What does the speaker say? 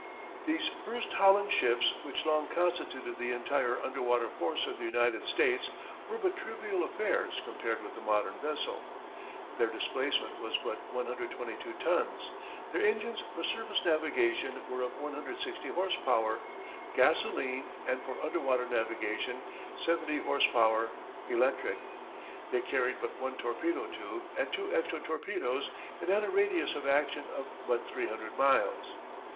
These first Holland ships which long constituted the entire underwater force of the United States were but trivial affairs compared with the modern vessel. Their displacement was but 122 tons, their engines for surface navigation were of 160 horse power, gasoline, and for underwater navigation 70 horse power, electric. They carried but one torpedo tube and two extra torpedoes and had a radius of action of but 300 miles.